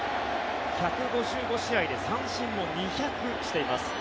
１５５試合で三振も２００しています。